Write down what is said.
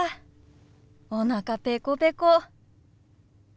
おなかペコペコ。